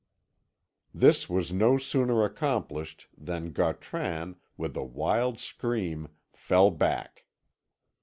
This was no sooner accomplished than Gautran, with a wild scream, fell back.